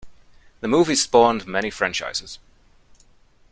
The movie spawned many franchises.